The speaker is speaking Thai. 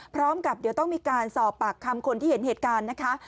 พร้อมกับเดี๋ยวต้องมีการสอบปากคำคนที่เห็นเหตุการณ์นะคะ